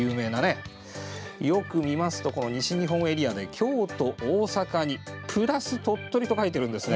よく見ますと西日本エリアに京都、大阪に「＋鳥取」と書いてあるんですね。